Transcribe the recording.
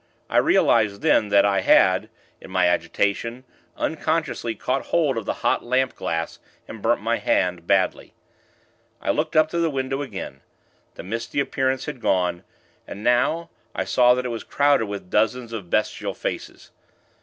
I realized, then, that I had, in my agitation, unconsciously caught hold of the hot lamp glass, and burnt my hand, badly. I looked up to the window, again. The misty appearance had gone, and, now, I saw that it was crowded with dozens of bestial faces.